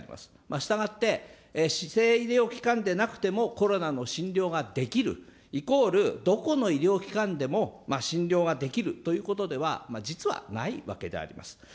したがって、指定医療機関でなくてもコロナの診療ができるイコールどこの医療機関でも診療ができるということでは、実はないわけであります。